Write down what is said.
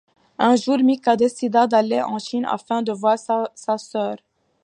Un jour Mika décida d’aller en Chine afin de voir sa sœur.